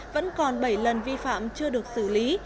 vẫn còn bảy lần vi phạm chưa được xử lý